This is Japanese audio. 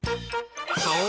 ［そう。